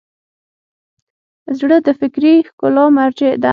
زړه د فکري ښکلا مرجع ده.